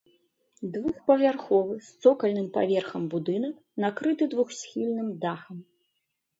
Двухпавярховы з цокальным паверхам будынак накрыты двухсхільным дахам.